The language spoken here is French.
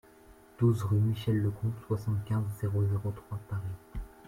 douze rue Michel le Comte, soixante-quinze, zéro zéro trois, Paris